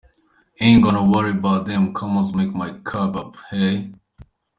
Ain't gotta worry 'bout 'em commas 'cause my cake up, hey.